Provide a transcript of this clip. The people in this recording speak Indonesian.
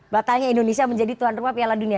batalnya indonesia menjadi tuan rumah piala dunia